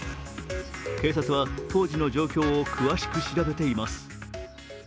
警察は当時の状況を詳しく調べています。